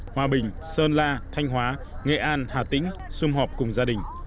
hòa bình sơn la thanh hóa nghệ an hà tĩnh xung họp cùng gia đình